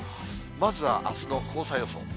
まずはあすの黄砂予想。